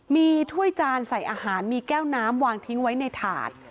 มีถ้วยจานใส่อาหารมีแก้วน้ำวางทิ้งไว้ในถาด